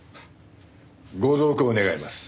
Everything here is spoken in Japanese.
ご同行願います。